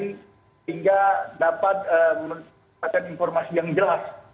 sehingga dapat menunjukkan informasi yang jelas